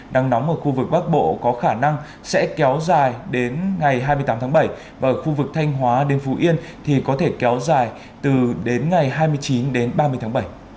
nắng nóng ở khu vực bắc bộ có khả năng sẽ kéo dài đến ngày hai mươi tám tháng bảy và ở khu vực thanh hóa đến phú yên thì có thể kéo dài từ đến ngày hai mươi chín đến ba mươi tháng bảy